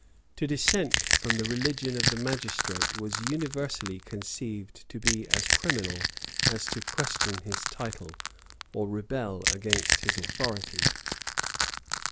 To dissent from the religion of the magistrate, was universally conceived to be as criminal as to question his title, or rebel against his authority.